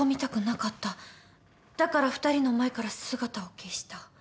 だから２人の前から姿を消した。